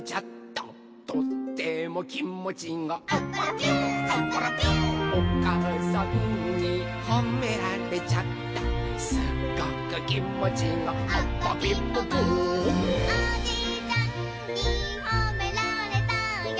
「とってもきもちが」「アッパラピューアッパラピュー」「おかあさんにほめられちゃった」「すごくきもちが」「アパピポポー」「おじいちゃんにほめられたよ」